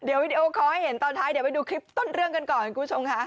เดี๋ยววิดีโอคอลให้เห็นตอนท้ายเดี๋ยวไปดูคลิปต้นเรื่องกันก่อนคุณผู้ชมค่ะ